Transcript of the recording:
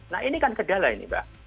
nah ini kan kedala ini mbak